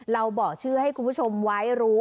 บอกชื่อให้คุณผู้ชมไว้รู้